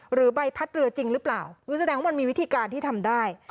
ใบพัดเรือจริงหรือเปล่าแสดงว่ามันมีวิธีการที่ทำได้